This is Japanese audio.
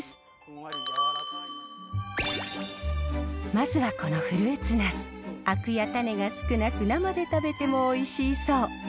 まずはこのアクや種が少なく生で食べてもおいしいそう。